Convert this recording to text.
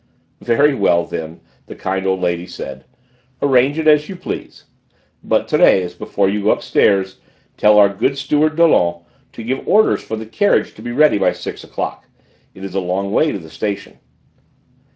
"Very well, then," the kind old lady said; "arrange it as you please. But, Thérèse, before you go upstairs, tell our good steward, Dollon, to give orders for the carriage to be ready by six o'clock. It is a long way to the station."